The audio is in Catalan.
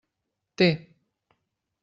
Té.